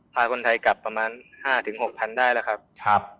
พาคนไทยกลับประมาณ๕๖๐๐๐ได้แล้วครับ